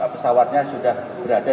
pesawatnya sudah berada